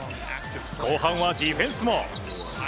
後半はディフェンスも。